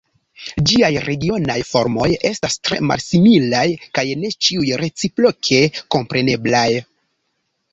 Ĝiaj regionaj formoj estas tre malsimilaj kaj ne ĉiuj reciproke kompreneblaj.